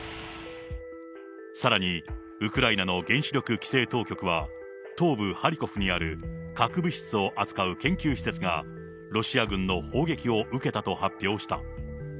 さらにウクライナの原子力規制当局は、東部ハリコフにある核物質を扱う研究施設が、ロシア軍の砲撃を受けたと発表した。